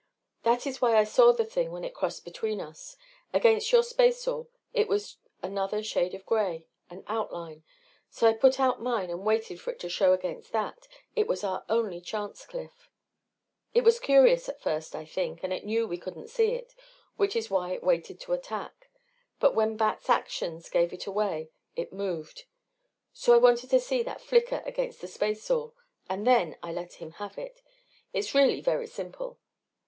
"That is why I saw the thing when it crossed between us. Against your spaceall it was another shade of gray an outline. So I put out mine and waited for it to show against that it was our only chance, Cliff. "It was curious at first, I think, and it knew we couldn't see it which is why it waited to attack. But when Bat's actions gave it away it moved. So I waited to see that flicker against the spaceall and then I let him have it. It's really very simple...."